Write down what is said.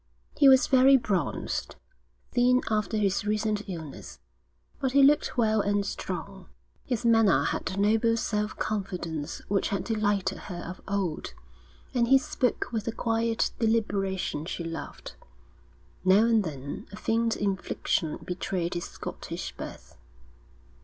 He was very bronzed, thin after his recent illness, but he looked well and strong. His manner had the noble self confidence which had delighted her of old, and he spoke with the quiet deliberation she loved. Now and then a faint inflection betrayed his Scottish birth.